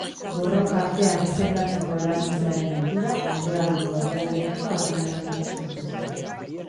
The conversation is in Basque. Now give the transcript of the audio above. Borroka-arteak izendatzeko erabiltzearen ohitura, mendebaldeko herrialdeekiko harremanengatik sortu zen.